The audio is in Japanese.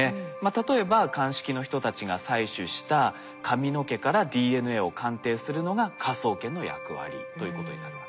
例えば鑑識の人たちが採取した髪の毛からＤＮＡを鑑定するのが科捜研の役割ということになるわけです。